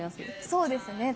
そうですね